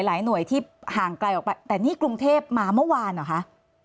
หลายหน่วยที่ห่างไกลออกไปแต่นี่กรุงเทพมาเมื่อวานเหรอคะ